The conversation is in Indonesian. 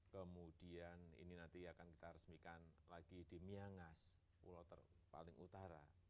kemudian ini nanti akan kita resmikan lagi di miangas pulau paling utara